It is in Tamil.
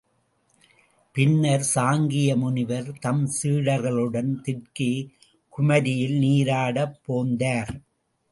பின்னர் சாங்கிய முனிவர், தம் சீடர்களுடன் தெற்கே குமரியில் நீராடப் போந்தார்.